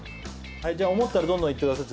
思ったら次にどんどんいってください。